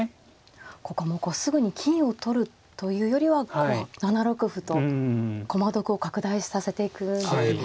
ここもこうすぐに金を取るというよりは７六歩と駒得を拡大させていくんですね。